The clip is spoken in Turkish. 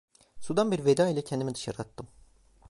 Sudan bir veda ile kendimi dışarı attım.